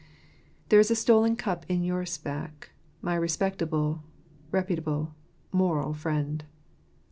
There is a stolen cup in your sack , my respectable, reputable, moral friend.